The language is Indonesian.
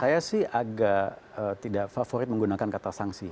saya sih agak tidak favorit menggunakan kata sanksi